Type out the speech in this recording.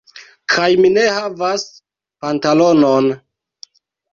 Kaj mi ne havas pantalonon.